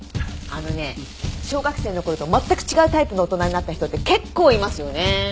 あのね小学生の頃と全く違うタイプの大人になった人って結構いますよね。